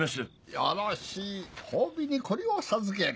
よろしい褒美にこれを授ける。